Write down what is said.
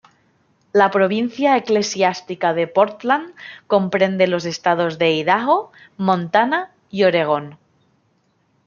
La Provincia Eclesiástica de Portland comprende los estados de Idaho, Montana y Oregón.